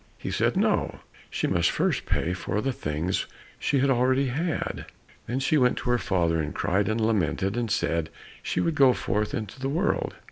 He said, "No," she must first pay for the things she had already had. Then she went to her father and cried and lamented, and said she would go forth into the world.